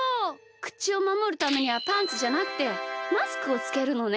くちをまもるためにはパンツじゃなくてマスクをつけるのね。